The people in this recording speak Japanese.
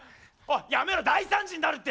やめろ大惨事になるって！